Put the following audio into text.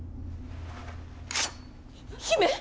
姫！